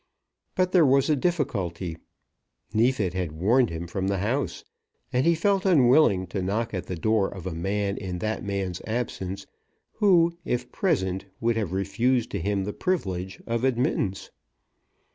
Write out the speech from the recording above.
But there was a difficulty. Neefit had warned him from the house, and he felt unwilling to knock at the door of a man in that man's absence, who, if present, would have refused to him the privilege of admittance.